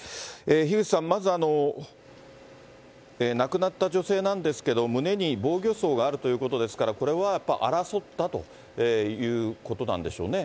樋口さん、まず、亡くなった女性なんですけど、胸に防御創があるということですから、これは争ったということなんでしょうね？